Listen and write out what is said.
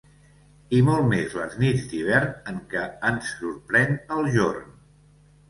I molt més les nits d'hivern en què ens sorprèn el jorn.